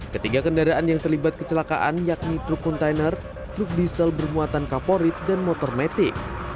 ketiga kendaraan yang terlibat kecelakaan yakni truk kontainer truk diesel bermuatan kaporit dan motor metik